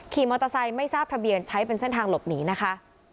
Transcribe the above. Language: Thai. ขี่มอเตอร์ไซค์ไม่ทราบทะเบียนใช้เป็นเส้นทางหลบหนีนะคะ